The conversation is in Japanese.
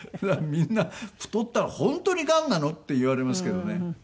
みんな太ったら「本当にがんなの？」って言われますけどね。